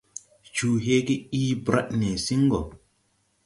Cuu heege ii brad nesiŋ gɔ.